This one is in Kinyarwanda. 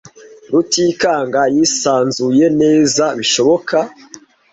Rutikanga yisanzuye neza bishoboka.